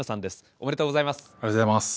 ありがとうございます。